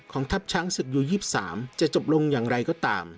ทัพช้างศึกยู๒๓จะจบลงอย่างไรก็ตาม